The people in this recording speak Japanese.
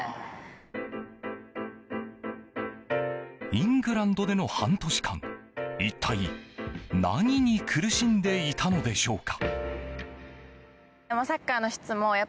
イングランドでの半年間一体何に苦しんでいたのでしょうか。